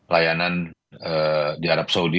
layanan di arab saudi